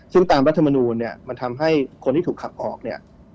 ซึ่งตามรัฐมนูลเนี่ยมันทำให้คนที่ถูกขับออกเนี่ย